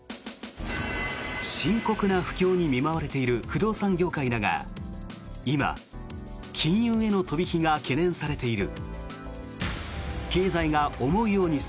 深刻な不況に見舞われている不動産業界だが今、金融への飛び火が懸念されている。